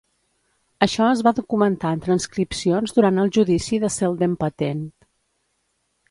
Això es va documentar en transcripcions durant el judici de Selden Patent.